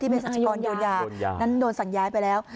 เป็นสัชกรโยนยานั้นโดนสั่งย้ายไปแล้ว